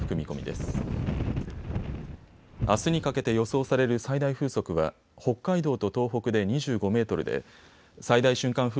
あすにかけて予想される最大風速は北海道と東北で２５メートルで最大瞬間